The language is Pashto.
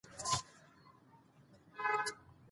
افغانستان د اوړي په اړه علمي څېړنې لري.